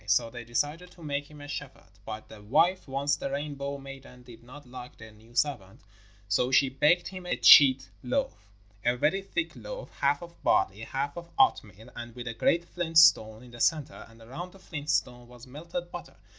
So they decided to make him a shepherd. But the wife, once the Rainbow maiden, did not like the new servant, so she baked him a cheat loaf a very thick loaf, half of barley, half of oatmeal, and with a great flint stone in the centre, and around the flint stone was melted butter.